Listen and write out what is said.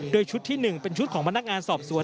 โดยชุดที่๑เป็นชุดของพนักงานสอบสวน